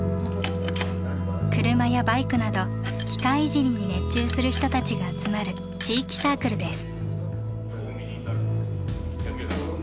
車やバイクなど機械いじりに熱中する人たちが集まる地域サークルです。